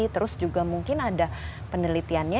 terus juga mungkin ada penelitiannya